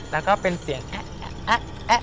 แล้วก็เป็นเสียงแอ๊ะ